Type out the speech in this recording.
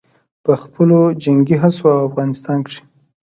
په خپلو جنګي هڅو او افغانستان کښې